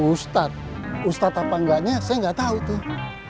ustadz ustadz apa gaknya saya gak tau tuh